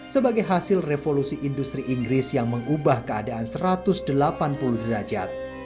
sebagai hasil revolusi industri inggris yang mengubah keadaan satu ratus delapan puluh derajat